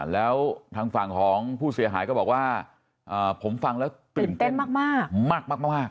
แล้วทางฝั่งของผู้เสียหายก็บอกว่าผมฟังแล้วตื่นเต้นมากมาก